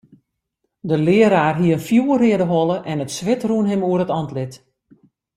De learaar hie in fjoerreade holle en it swit rûn him oer it antlit.